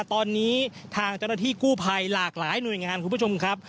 ตอนนี้ทางเจ้าหน้าที่กู้ภัยหลากหลายหน่วยงานคุณผู้ชมครับ